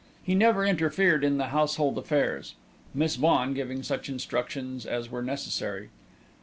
He never interfered in the household affairs, Miss Vaughan giving such instructions as were necessary.